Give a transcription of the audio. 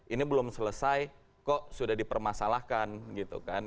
ini belum selesai kok sudah dipermasalahkan gitu kan